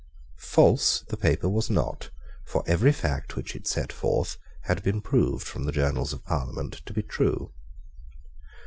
False the paper was not; for every fact which it set forth had been proved from the journals of Parliament to be true.